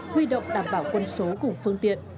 huy động đảm bảo quân số cùng phương tiện